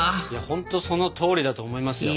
ほんとそのとおりだと思いますよ。